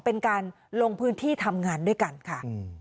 เป็นการลงพื้นที่ทำงานด้วยกันค่ะ